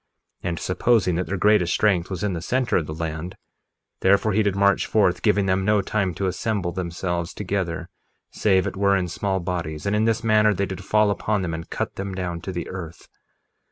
1:24 And, supposing that their greatest strength was in the center of the land, therefore he did march forth, giving them no time to assemble themselves together save it were in small bodies; and in this manner they did fall upon them and cut them down to the earth.